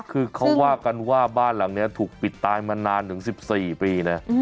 คือเขาว่ากันว่าบ้านหลังนี้ถูกปิดตายมานานถึง๑๔ปีนะ